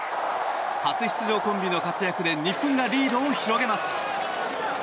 初出場コンビの活躍で日本がリードを広げます。